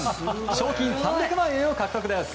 賞金３００万円を獲得です。